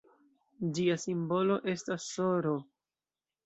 Ĝia simbolo estas sr.